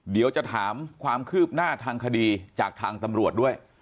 เดี๋ยวจะถามความคืบหน้าทางคดีจากทางตำรวจด้วย